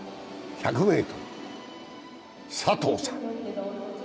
１００ｍ、佐藤さん。